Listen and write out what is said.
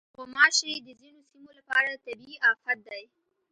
غوماشې د ځینو سیمو لپاره طبعي افت دی.